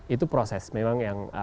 itu proses memang yang